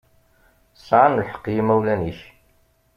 Sεan lḥeqq yimawlan-ik.